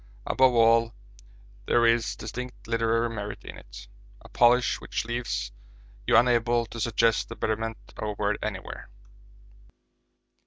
Above all there is distinct literary merit in it a polish which leaves you unable to suggest the betterment of a word anywhere.